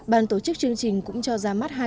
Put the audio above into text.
ban tổ chức chương trình cũng cho ra mắt hai tủ sách